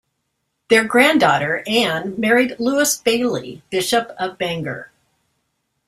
Their granddaughter Ann married Lewis Bayly, Bishop of Bangor.